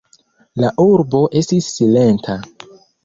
La urbo estis silenta.